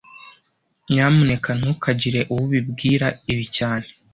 Nyamuneka ntukagire uwo ubwira ibi cyane